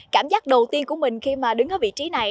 cảm giác đầu tiên của mình khi mà đứng ở vị trí này